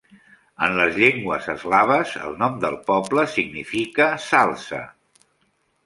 En les llengües eslaves, el nom del poble significa "salze".